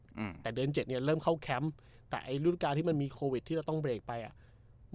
อืมแต่เดือนเจ็ดเนี้ยเริ่มเข้าแคมป์แต่ไอ้รุ่นการที่มันมีโควิดที่เราต้องเบรกไปอ่ะ